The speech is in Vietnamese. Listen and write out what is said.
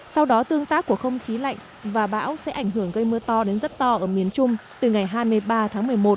sau đó tương tác của không khí lạnh và bão sẽ ảnh hưởng gây mưa to đến rất to ở miền trung từ ngày hai mươi ba tháng một mươi một